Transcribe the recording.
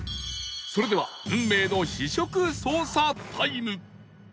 それでは運命の試食捜査タイム